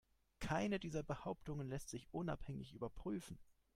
Keine dieser Behauptungen lässt sich unabhängig überprüfen.